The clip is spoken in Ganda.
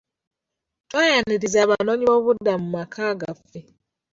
Twayaniriza abanyyonyiboobubudamu mu maka gaffe.